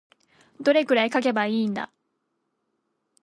どれくらい書けばいいんだ。